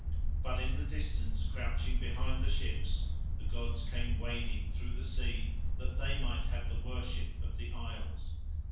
But in the distance crouching behind the ships the gods came wading through the sea that They might have the worship of the isles.